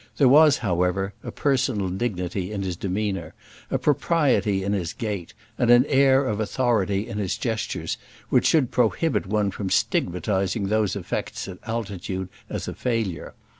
There was, however, a personal dignity in his demeanour, a propriety in his gait, and an air of authority in his gestures which should prohibit one from stigmatizing those efforts at altitude as a failure.